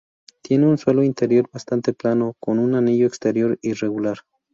Tiene un suelo interior bastante plano, con un anillo exterior irregular.